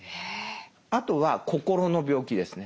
あとは心の病気ですね。